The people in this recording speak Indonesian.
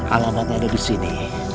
alamatnya ada disini